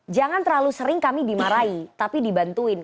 jangan terlalu sering kami dimarahi tapi dibantuin